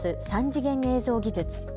３次元映像技術。